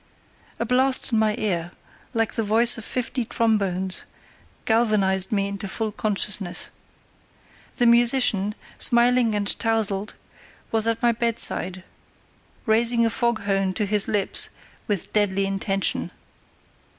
A blast in my ear, like the voice of fifty trombones, galvanised me into full consciousness. The musician, smiling and tousled, was at my bedside, raising a foghorn to his lips with deadly intention.